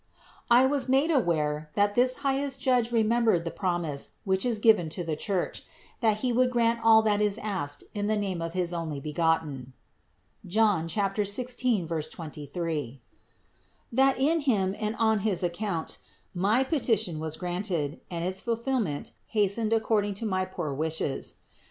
16. I was made aware, that this highest Judge re 12 INTRODUCTION membered the promise, which is given to the Church, that He would grant all that is asked in the name of his Onlybegotten (John 16, 23), that in Him and on his account my petition was granted and its fulfillment hastened according to my poor wishes.